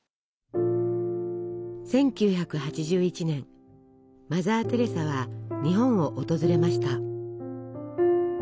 １９８１年マザー・テレサは日本を訪れました。